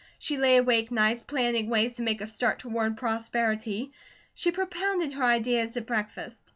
She lay awake nights, planning ways to make a start toward prosperity; she propounded her ideas at breakfast.